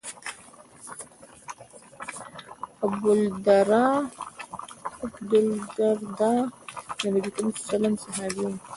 ابوالدرداء د نبي کریم ص صحابي و.